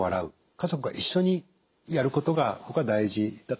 家族が一緒にやることがここは大事だと。